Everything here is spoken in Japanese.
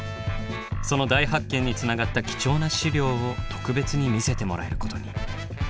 その大発見につながった貴重な資料を特別に見せてもらえることに。